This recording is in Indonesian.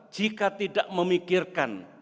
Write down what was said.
jika tidak memikirkan